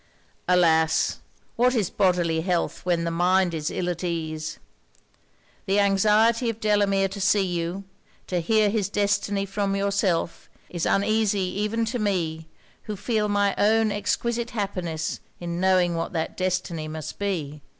'Alas! what is bodily health when the mind is ill at ease? The anxiety of Delamere to see you, to hear his destiny from yourself, is uneasy even to me, who feel my own exquisite happiness in knowing what that destiny must be.